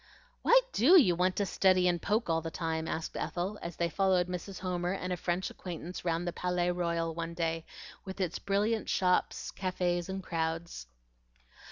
"Why DO you want to study and poke all the time?" asked Ethel, as they followed Mrs. Homer and a French acquaintance round the Palais Royal one day with its brilliant shops, cafes, and crowds.